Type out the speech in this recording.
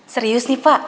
serius nih pak